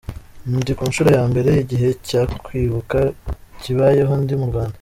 Ni ku nshuro ya mbere igihe cyo kwibuka kibayeho ndi mu Rwanda.